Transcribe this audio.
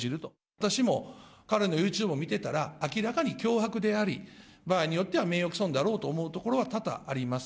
私も彼のユーチューブを見てたら、明らかに脅迫であり、場合によっては名誉毀損だろうと思うところは多々あります。